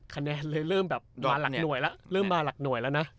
คะแนนเลยเริ่มแบบมาหลักหน่วยแล้วเริ่มมาหลักหน่วยแล้วนะ